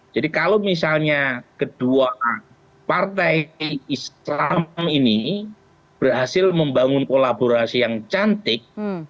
jadi kalau misalnya kedua partai islam ini berhasil membangun kolaborasi yang cantik